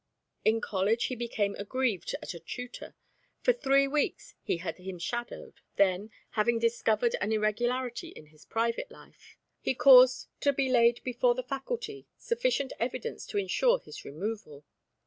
In college, he became aggrieved at a tutor. For three weeks he had him shadowed, then, having discovered an irregularity in his private life, he caused to be laid before the faculty sufficient evidence to insure his removal.